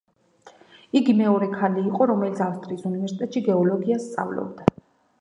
იგი მეორე ქალი იყო, რომელიც ავსტრიის უნივერსიტეტში გეოლოგიას სწავლობდა.